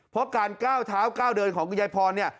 เพราะการก้าวเท้าก้าวเดินของคุณยายพรเนี่ย